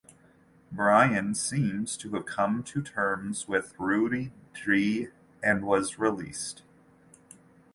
Brian seems to have come to terms with Ruaidhri and was released.